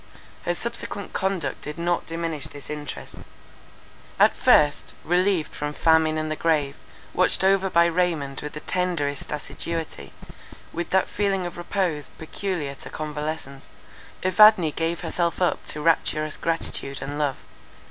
Her subsequent conduct did not diminish this interest. At first, relieved from famine and the grave, watched over by Raymond with the tenderest assiduity, with that feeling of repose peculiar to convalescence, Evadne gave herself up to rapturous gratitude and love.